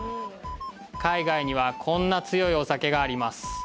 海外にはこんな強いお酒があります